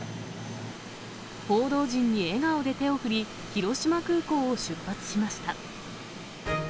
報道陣に笑顔で手を振り、広島空港を出発しました。